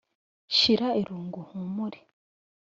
Shira irungu uhumure